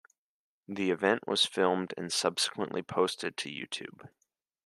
The event was filmed and subsequently posted to YouTube.